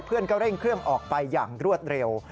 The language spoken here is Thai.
เพื่อนก็เร่งเครื่องออกไปอย่างรวดเร็ว